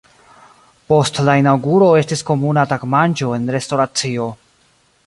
Post la inaŭguro estis komuna tagmanĝo en restoracio.